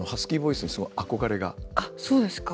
あっそうですか。